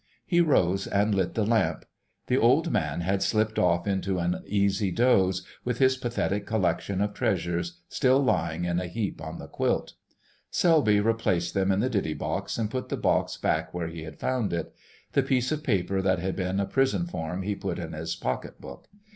He rose and lit the lamp; the old man had slipped off into an easy doze, with his pathetic collection of treasures still lying in a heap on the quilt; Selby replaced them in the ditty box, and put the box back where he had found it; the piece of paper that had been a prison form he put in his pocket book.